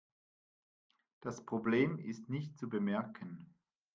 Das Problem ist nicht zu bemerken.